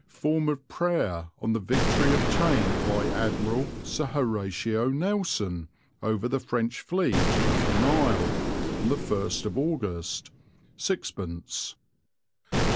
Form of Prayer on the victory obtained by Admiral Sir Horatio Nelson over the French fleet off the Nile, 1st August /6." "Nov.